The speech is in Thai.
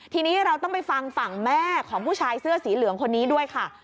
ทีนี้เราต้องไปฟังฝั่งแม่ของผู้ชายเสื้อสีเหลืองคนนี้ด้วยค่ะ